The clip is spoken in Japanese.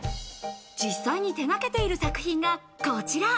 実際に手がけている作品がこちら。